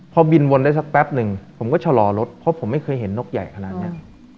พอบินวนได้สักแป๊บหนึ่งผมก็ชะลอรถเพราะผมไม่เคยเห็นนกใหญ่ขนาดนี้